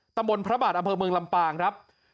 ตำบลพระบาทอำเภอเมืองลำปางครับ